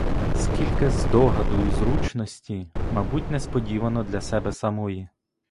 Скільки здогаду й зручності, — мабуть, несподівано для себе самої.